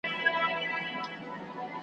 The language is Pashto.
پتنګه وایه ته څشي غواړې .